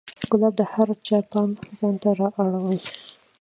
ګلاب د هر چا پام ځان ته را اړوي.